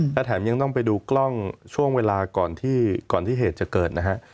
และแถมยังต้องไปดูกล้องช่วงเวลาก่อนที่เหตุจะเกิดนะฮะ